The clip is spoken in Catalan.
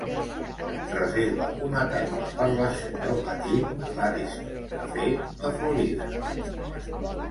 Reserva una taula per les set del matí a l'Ariston Cafe de Florida.